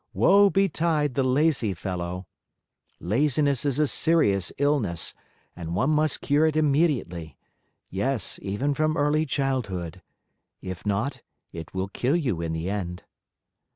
Woe betide the lazy fellow! Laziness is a serious illness and one must cure it immediately; yes, even from early childhood. If not, it will kill you in the end."